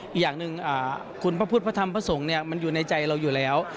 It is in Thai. อีกอย่างหนึ่งคุณพระพุทธพระธรรมพระสงฆ์มันอยู่ในใจเราอยู่แล้ว